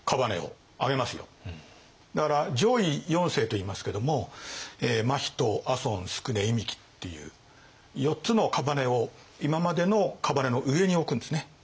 だから上位四姓といいますけども真人朝臣宿忌寸っていう４つの姓を今までの姓の上に置くんですね。